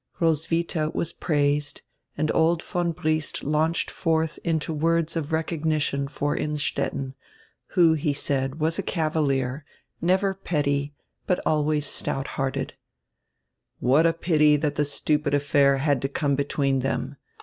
Roswidia was praised and old von Briest launched forth into words of recognition for Innstetten, who, he said, was a cavalier, never petty, but always stout hearted. "What a pity that the stupid affair had to come between them!